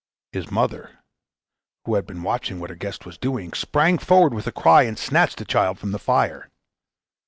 His mother, who had been watching what her guest was doing, sprang forward with a cry and snatched the child from the fire.